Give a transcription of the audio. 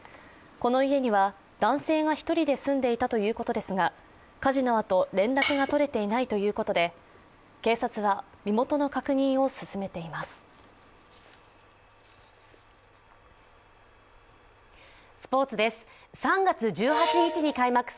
この家には男性が１人で住んでいたということですが、火事のあと、連絡がとれていないということで、警察は、身元の確認を進めています。